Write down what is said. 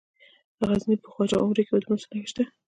د غزني په خواجه عمري کې د مسو نښې شته.